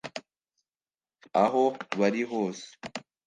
aho bari hose